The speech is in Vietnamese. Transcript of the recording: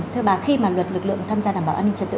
thưa bà khi mà luật lực lượng tham gia đảm bảo an ninh trật tự